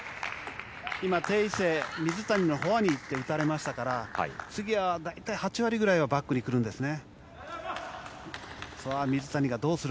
テイ・イセイ水谷のフォアに行って打たれましたから次は大体８割くらいバックにくるんですね。